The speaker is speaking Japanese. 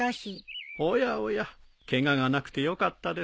おやおやケガがなくてよかったですね。